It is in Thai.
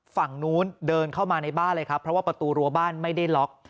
ฝั่งนู้นเดินเข้ามาในบ้านเลยครับเพราะว่าประตูรัวบ้านไม่ได้ล็อก